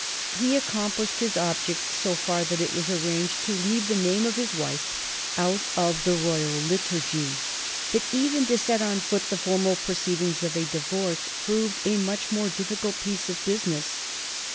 He accomplished his object so far that it was arranged to leave the name of his wife out of the Royal Liturgy. But even to set on foot the formal proceedings for a divorce proved a much more difficult piece of business.